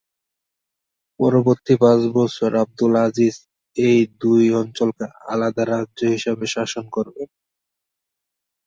পরবর্তী পাঁচ বছর আবদুল আজিজ এই দুই অঞ্চলকে আলাদা রাজ্য হিসেবে শাসন করেন।